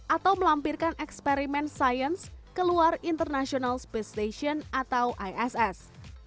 atau melampirkan eksperimen sains keluar international space station atau iss